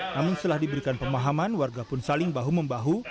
namun setelah diberikan pemahaman warga pun saling bahu membahu